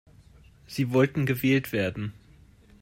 Sie wollten gewählt werden.